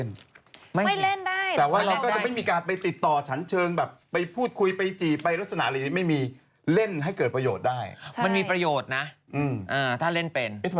ง่ายจนบางทียังไม่ได้รู้นิสัยใจคอที่แท้จริง